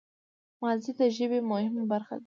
ماضي د ژبي مهمه برخه ده.